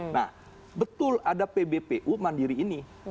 nah betul ada pbpu mandiri ini